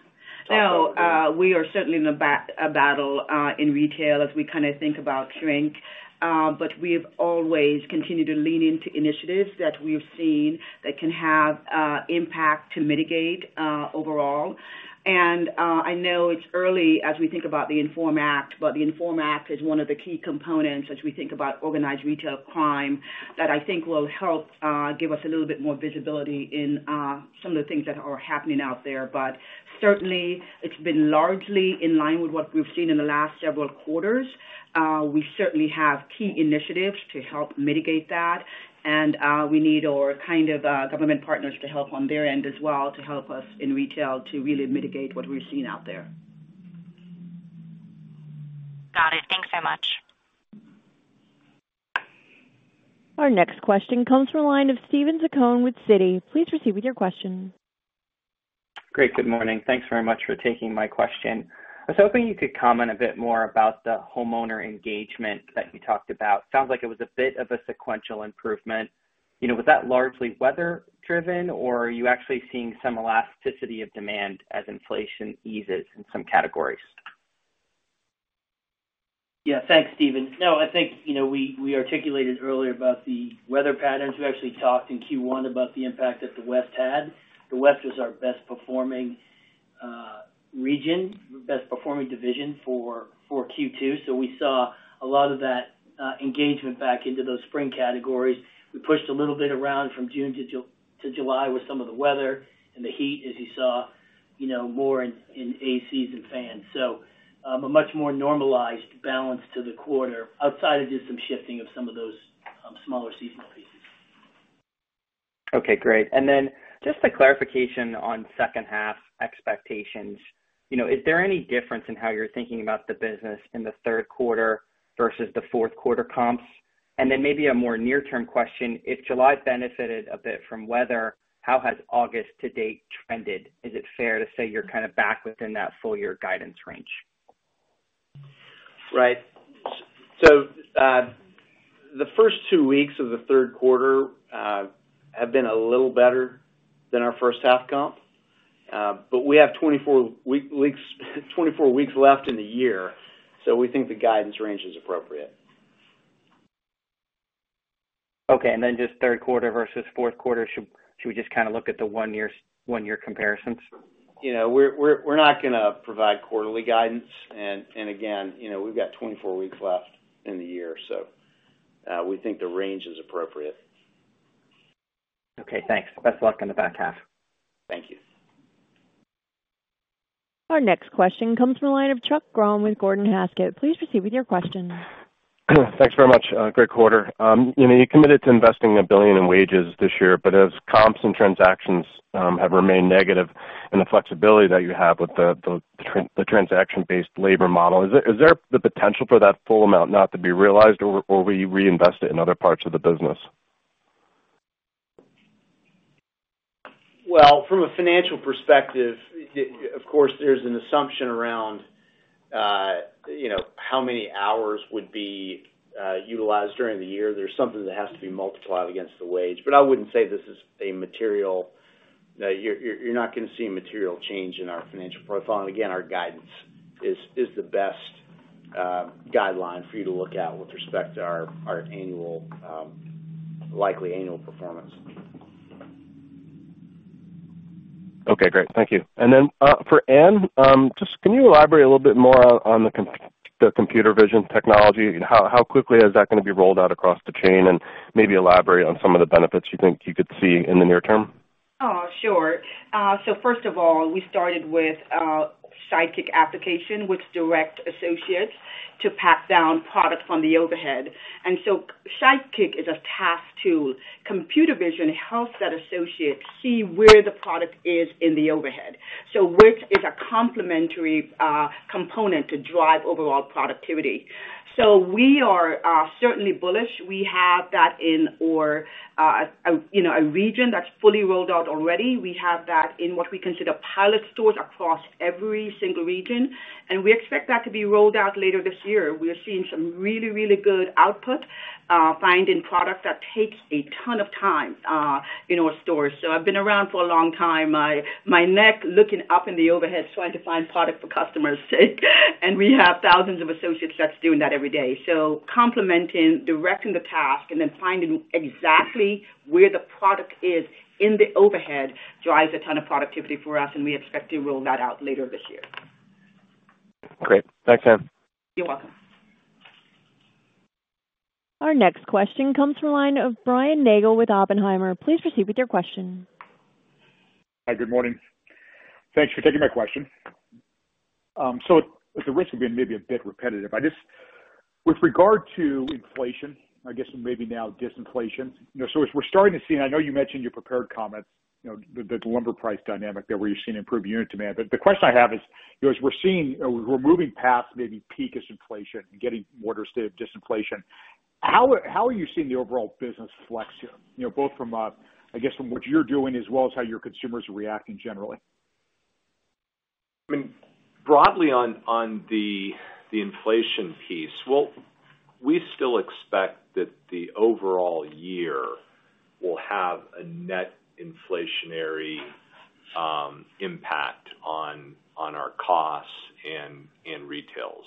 Yeah. Talk about it. No, we are certainly in a battle in retail as we kinda think about shrink. We've always continued to lean into initiatives that we've seen that can have impact to mitigate overall. I know it's early as we think about the INFORM Act, but the INFORM Act is one of the key components as we think about organized retail crime, that I think will help give us a little bit more visibility in some of the things that are happening out there. Certainly, it's been largely in line with what we've seen in the last several quarters. We certainly have key initiatives to help mitigate that, and we need our kind of government partners to help on their end as well, to help us in retail to really mitigate what we're seeing out there. Got it. Thanks so much. Our next question comes from the line of Steven Zaccone with Citi. Please proceed with your question. Great. Good morning. Thanks very much for taking my question. I was hoping you could comment a bit more about the homeowner engagement that you talked about. Sounds like it was a bit of a sequential improvement. You know, was that largely weather driven, or are you actually seeing some elasticity of demand as inflation eases in some categories? Yeah, thanks, Steven. No, I think, you know, we, we articulated earlier about the weather patterns. We actually talked in Q1 about the impact that the West had. The West was our best performing region, best performing division for, for Q2. We saw a lot of that engagement back into those spring categories. We pushed a little bit around from June to July with some of the weather and the heat, as you saw, you know, more in, in ACs and fans. A much more normalized balance to the quarter outside of just some shifting of some of those smaller seasonal pieces. Okay, great. Just a clarification on second half expectations. You know, is there any difference in how you're thinking about the business in the third quarter versus the fourth quarter comps? Then maybe a more near-term question, if July benefited a bit from weather, how has August to date trended? Is it fair to say you're kind of back within that full year guidance range? The first two weeks of the third quarter, have been a little better than our first half comp. We have 24 weeks, 24 weeks left in the year, so we think the guidance range is appropriate. Okay, just third quarter versus fourth quarter, should we just kinda look at the one-year comparisons? You know, we're not gonna provide quarterly guidance. Again, you know, we've got 24 weeks left in the year, so we think the range is appropriate. Okay, thanks. Best luck on the back half. Thank you. Our next question comes from the line of Chuck Grom with Gordon Haskett. Please proceed with your question. Thanks very much, great quarter. You know, you committed to investing $1 billion in wages this year, but as comps and transactions have remained negative and the flexibility that you have with the transaction-based labor model, is there, is there the potential for that full amount not to be realized, or, or will you reinvest it in other parts of the business? From a financial perspective, of course, there's an assumption around, you know, how many hours would be utilized during the year. There's something that has to be multiplied against the wage. You're not gonna see a material change in our financial profile. Again, our guidance is, is the best guideline for you to look at with respect to our, our annual, likely annual performance. Okay, great. Thank you. Then, for Anne, just can you elaborate a little bit more on the computer vision technology? How quickly is that gonna be rolled out across the chain? Maybe elaborate on some of the benefits you think you could see in the near term? Oh, sure. First of all, we started with Sidekick application, which direct associates to pack down products from the overhead. Sidekick is a task tool. Computer vision helps that associate see where the product is in the overhead, so which is a complementary component to drive overall productivity. We are certainly bullish. We have that in our, you know, a region that's fully rolled out already. We have that in what we consider pilot stores across every single region, and we expect that to be rolled out later this year. We are seeing some really, really good output, finding product that takes a ton of time in our stores. I've been around for a long time. My, my neck looking up in the overhead, trying to find product for customers. We have thousands of associates that's doing that every day. Complementing, directing the task, and then finding exactly where the product is in the overhead, drives a ton of productivity for us, and we expect to roll that out later this year. Great. Thanks, Anne. You're welcome. Our next question comes from the line of Brian Nagel with Oppenheimer. Please proceed with your question. Hi, good morning. Thanks for taking my question. At the risk of being maybe a bit repetitive, with regard to inflation, I guess, and maybe now disinflation, you know. As we're starting to see, and I know you mentioned your prepared comments, you know, the lumber price dynamic there, where you're seeing improved unit demand. The question I have is, you know, as we're seeing, we're moving past maybe peak disinflation and getting more to a state of disinflation, how are you seeing the overall business flex here? You know, both from, I guess, from what you're doing, as well as how your consumers are reacting generally. I mean, broadly on, on the, the inflation piece, well, we still expect that the overall year will have a net inflationary impact on, on our costs in, in retails.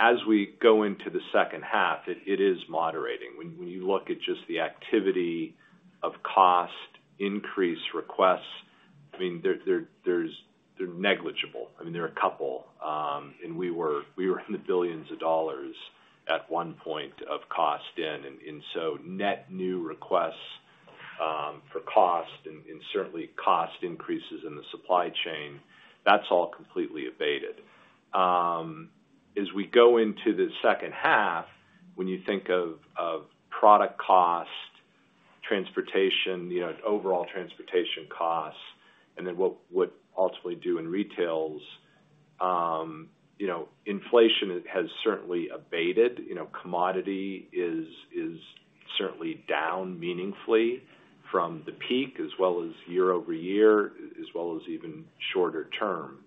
As we go into the second half, it, it is moderating. When, when you look at just the activity of cost increase requests, I mean, they're negligible. I mean, there are a couple, and we were, we were in the billions of dollars at one point of cost in. Net new requests for cost and, and certainly cost increases in the supply chain, that's all completely abated. As we go into the second half, when you think of, of product cost, transportation, you know, overall transportation costs, and then what, what ultimately do in retails, you know, inflation has certainly abated. You know, commodity is certainly down meaningfully from the peak, as well as year-over-year, as well as even shorter term.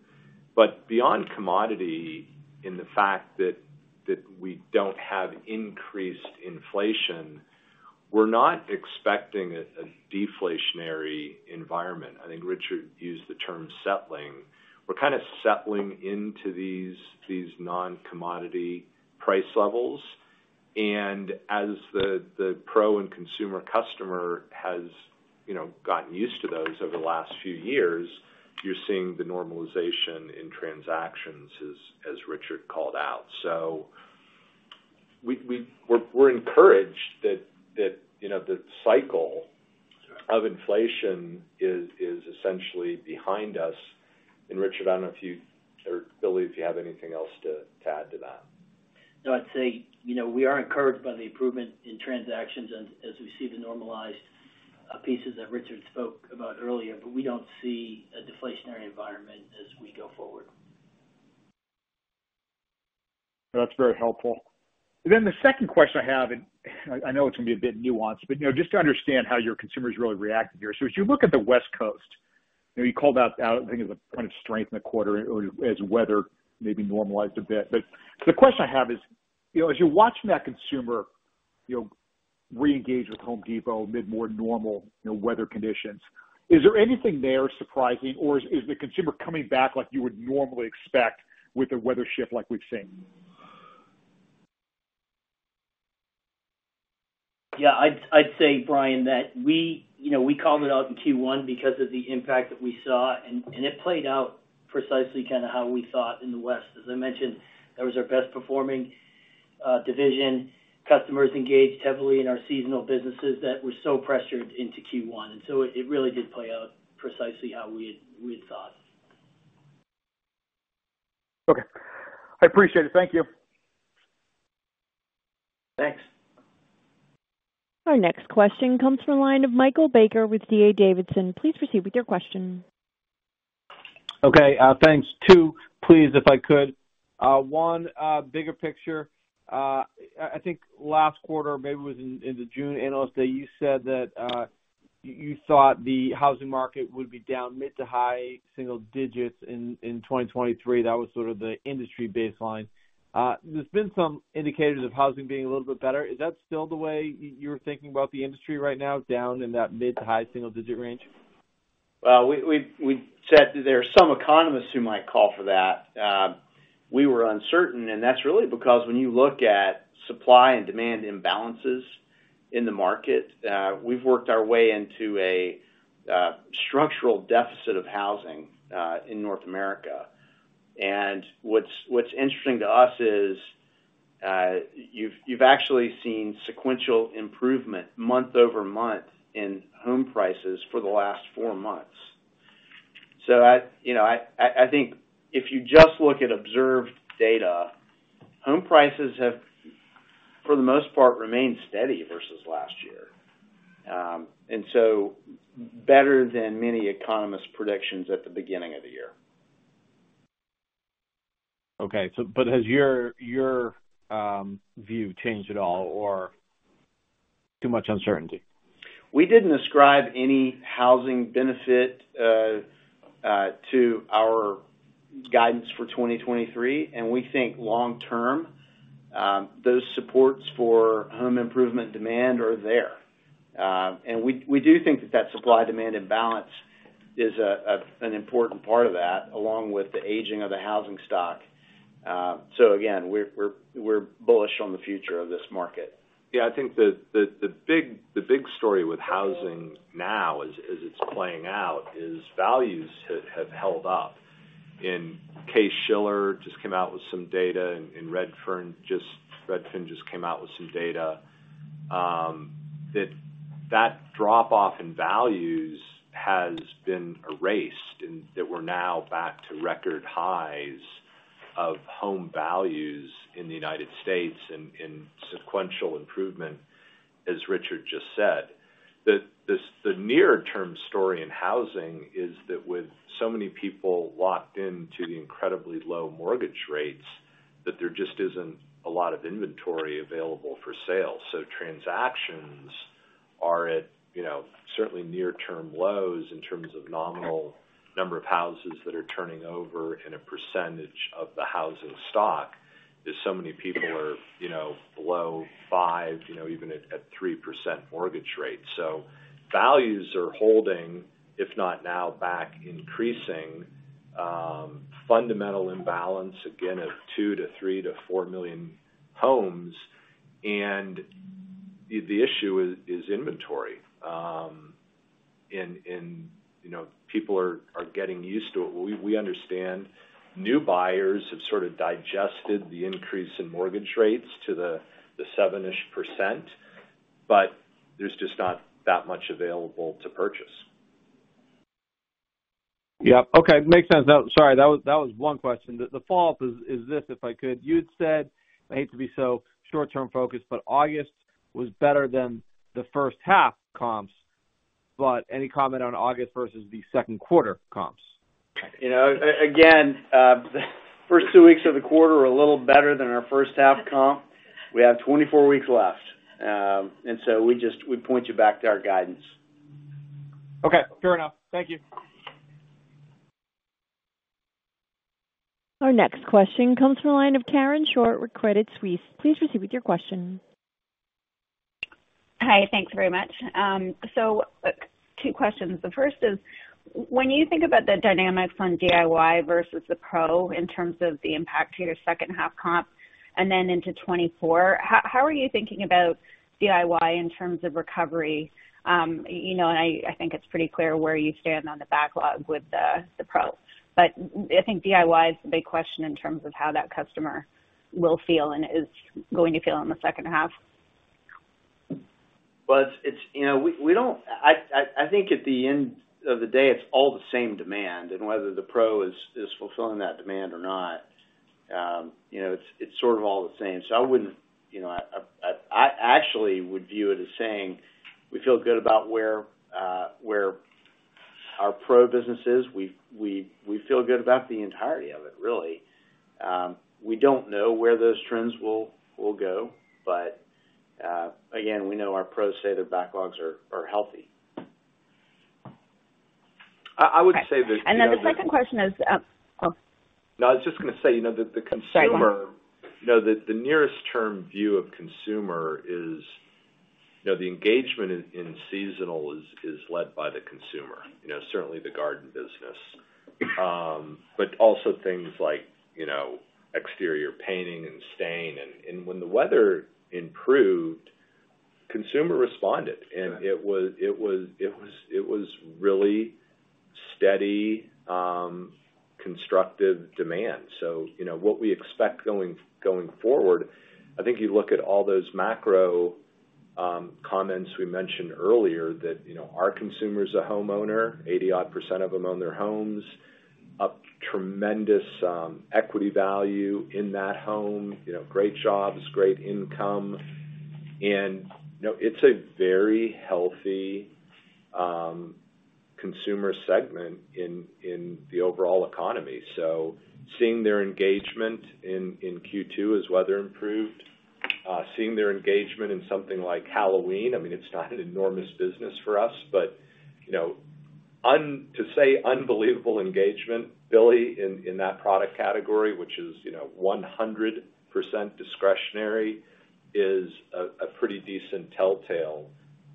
Beyond commodity, in the fact that we don't have increased inflation, we're not expecting a deflationary environment. I think Richard used the term settling. We're kind of settling into these non-commodity price levels. As the Pro and consumer customer has, you know, gotten used to those over the last few years, you're seeing the normalization in transactions, as Richard called out. We're, we're encouraged that, you know, the cycle of inflation is essentially behind us. Richard, I don't know if you, or Billy, if you have anything else to add to that? No, I'd say, you know, we are encouraged by the improvement in transactions as, as we see the normalized pieces that Richard spoke about earlier. We don't see a deflationary environment as we go forward. That's very helpful. The second question I have, and I know it's going to be a bit nuanced, but, you know, just to understand how your consumers really reacted here. As you look at the West Coast, you know, you called out, I think, as a point of strength in the quarter or as weather maybe normalized a bit. The question I have is, you know, as you're watching that consumer, you know, reengage with The Home Depot, mid more normal, you know, weather conditions, is there anything there surprising, or is the consumer coming back like you would normally expect with a weather shift like we've seen? Yeah, I'd, I'd say, Brian, that you know, we called it out in Q1 because of the impact that we saw, and it played out precisely kind of how we thought in the West. As I mentioned, that was our best performing division. Customers engaged heavily in our seasonal businesses that were so pressured into Q1. It, it really did play out precisely how we had, we had thought. Okay, I appreciate it. Thank you. Thanks. Our next question comes from the line of Michael Baker with D.A. Davidson. Please proceed with your question. Okay, thanks. Two, please, if I could. One, bigger picture. I, I think last quarter, maybe it was in, in the June analyst day, you said that, you thought the housing market would be down mid to high single digits in, in 2023. That was sort of the industry baseline. There's been some indicators of housing being a little bit better. Is that still the way you're thinking about the industry right now, down in that mid to high single digit range? Well, we, we, we said that there are some economists who might call for that. We were uncertain, and that's really because when you look at supply and demand imbalances in the market, we've worked our way into a structural deficit of housing in North America. What's, what's interesting to us is, you've, you've actually seen sequential improvement month-over-month in home prices for the last four months. I, you know, I, I, I think if you just look at observed data, home prices have, for the most part, remained steady versus last year. Better than many economists' predictions at the beginning of the year. Okay. has your, your, view changed at all or too much uncertainty? We didn't ascribe any housing benefit to our guidance for 2023, and we think long term, those supports for home improvement demand are there. We, we do think that that supply-demand imbalance is an important part of that, along with the aging of the housing stock. Again, we're, we're, we're bullish on the future of this market. Yeah, I think the, the, the big, the big story with housing now, as, as it's playing out, is values have, have held up. in Case-Shiller just came out with some data, and Redfin just came out with some data, that, that drop-off in values has been erased, and that we're now back to record highs of home values in the United States in, in sequential improvement, as Richard just said. The near-term story in housing is that with so many people locked into the incredibly low mortgage rates, that there just isn't a lot of inventory available for sale. Transactions are at, you know, certainly near-term lows in terms of nominal number of houses that are turning over in a percentage of the housing stock, because so many people are, you know, below 5, you know, even at, at 3% mortgage rates. Values are holding, if not now, back increasing, fundamental imbalance, again, of 2 million-3 million-4 million homes. The, the issue is, is inventory. You know, people are, are getting used to it. We, we understand new buyers have sort of digested the increase in mortgage rates to the, the 7-ish %, but there's just not that much available to purchase. Yeah. Okay, makes sense. Sorry, that was, that was one question. The, the follow-up is, is this, if I could: You had said, I hate to be so short-term focused, but August was better than the first half comps, but any comment on August versus the second quarter comps? You know, again, the first two weeks of the quarter are a little better than our first half comp. We have 24 weeks left, we point you back to our guidance. Okay, fair enough. Thank you. Our next question comes from the line of Karen Short with Credit Suisse. Please proceed with your question. Hi, thanks very much. Look, two questions. The first is, when you think about the dynamics on DIY versus the Pro in terms of the impact to your second half comp and then into 2024, how, how are you thinking about DIY in terms of recovery? You know, and I, I think it's pretty clear where you stand on the backlog with the Pro. I think DIY is the big question in terms of how that customer will feel and is going to feel in the second half. Well, you know, we, we don't, I, I, I think at the end of the day, it's all the same demand, and whether the Pro is, is fulfilling that demand or not, you know, it's, it's sort of all the same. I wouldn't, you know, I, I, I actually would view it as saying, we feel good about where our Pro business is. We, we, we feel good about the entirety of it, really. We don't know where those trends will, will go, but again, we know our Pros say their backlogs are, are healthy. I would say that, you know. Then the second question is. Oh. No, I was just gonna say, you know, that the consumer- Sorry, go ahead. You know, the nearest term view of consumer is. You know, the engagement in seasonal is led by the consumer, you know, certainly the garden business, also things like, you know, exterior painting and stain. When the weather improved, consumer responded, and it was, it was, it was, it was really steady, constructive demand. You know, what we expect going forward, I think you look at all those macro comments we mentioned earlier, that, you know, our consumer is a homeowner, 80% odd of them own their homes, up tremendous equity value in that home, you know, great jobs, great income. You know, it's a very healthy consumer segment in the overall economy. Seeing their engagement in, in Q2 as weather improved, seeing their engagement in something like Halloween, I mean, it's not an enormous business for us, but, you know, to say unbelievable engagement, Billy, in, in that product category, which is, you know, 100% discretionary, is a, a pretty decent telltale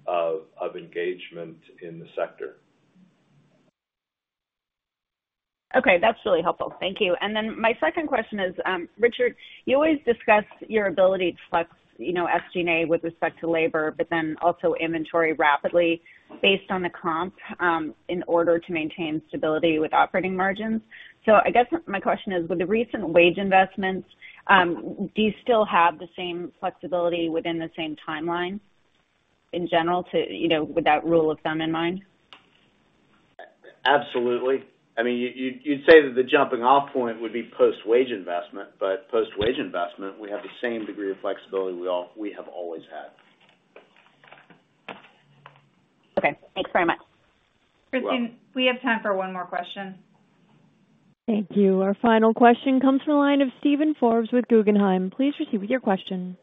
of, of engagement in the sector. Okay, that's really helpful. Thank you. My second question is, Richard, you always discuss your ability to flex, you know, SG&A with respect to labor, but then also inventory rapidly based on the comp, in order to maintain stability with operating margins. I guess my question is: With the recent wage investments, do you still have the same flexibility within the same timeline in general to, you know, with that rule of thumb in mind? Absolutely. I mean, you'd say that the jumping off point would be post-wage investment, but post-wage investment, we have the same degree of flexibility we have always had. Okay, thanks very much. You're welcome. Christine, we have time for one more question. Thank you. Our final question comes from the line of Steven Forbes with Guggenheim. Please proceed with your question.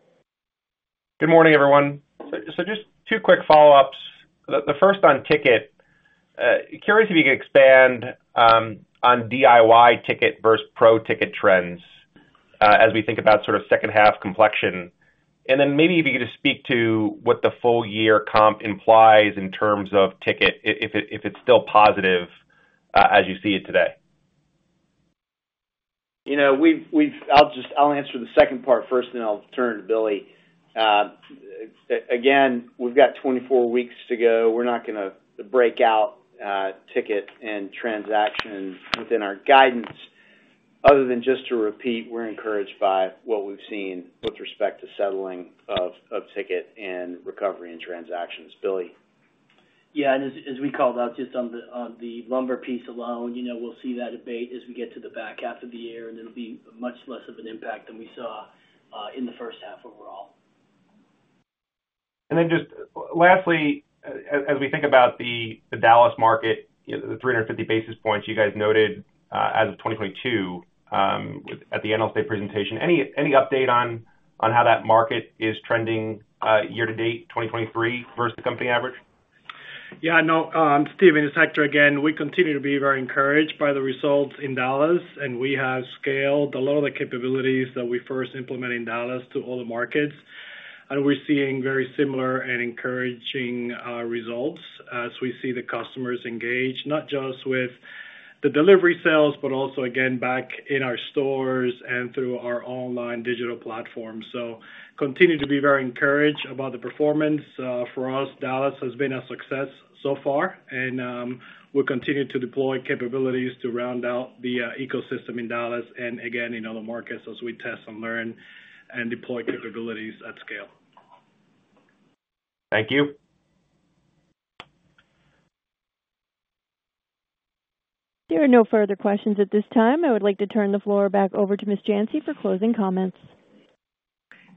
Good morning, everyone. So just two quick follow-ups. The first on ticket. curious if you could expand on DIY ticket versus Pro ticket trends as we think about sort of second half complexion? Then maybe if you could just speak to what the full year comp implies in terms of ticket, if it's still positive as you see it today? You know, we've, I'll just, I'll answer the second part first, then I'll turn to Billy. Again, we've got 24 weeks to go. We're not gonna break out ticket and transactions within our guidance. Other than just to repeat, we're encouraged by what we've seen with respect to settling of ticket and recovery and transactions. Billy? Yeah, as, as we called out, just on the, on the lumber piece alone, you know, we'll see that abate as we get to the back half of the year, and it'll be much less of an impact than we saw, in the first half overall. Just lastly, as we think about the Dallas market, the 350 basis points you guys noted as of 2022 at the Analyst Day presentation, any update on how that market is trending year to date, 2023 versus the company average? Yeah, no, Steven, it's Hector again. We continue to be very encouraged by the results in Dallas, we have scaled a lot of the capabilities that we first implemented in Dallas to all the markets. We're seeing very similar and encouraging results as we see the customers engage, not just with the delivery sales, but also, again, back in our stores and through our online digital platform. Continue to be very encouraged about the performance. For us, Dallas has been a success so far, and we'll continue to deploy capabilities to round out the ecosystem in Dallas and again in other markets as we test and learn and deploy capabilities at scale. Thank you. There are no further questions at this time. I would like to turn the floor back over to Ms. Janci for closing comments.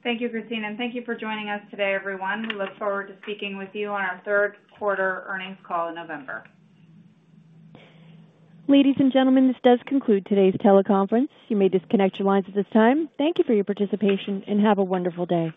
Thank you, Christine, and thank you for joining us today, everyone. We look forward to speaking with you on our third quarter earnings call in November. Ladies and gentlemen, this does conclude today's teleconference. You may disconnect your lines at this time. Thank you for your participation, and have a wonderful day.